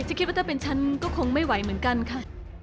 คิดว่าถ้าเป็นฉันก็คงไม่ไหวเหมือนกันค่ะ